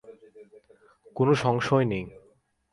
কোনো সংশয় নেই।